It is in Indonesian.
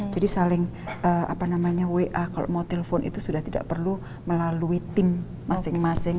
jadi saling wa kalau mau telepon itu sudah tidak perlu melalui tim masing masing